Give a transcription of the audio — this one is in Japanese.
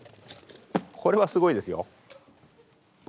これはすごいですよ。